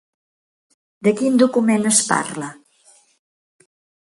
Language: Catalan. De quin document es parla?